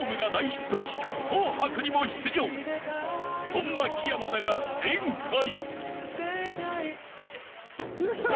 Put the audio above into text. ［そんな木山だが前回］